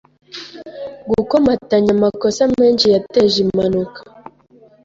Gukomatanya amakosa menshi yateje impanuka.